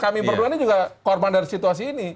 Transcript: kami berduanya juga korban dari situasi ini